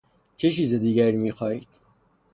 چه چیز دیگری میخواهید؟